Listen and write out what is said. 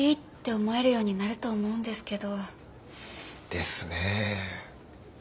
ですねえ。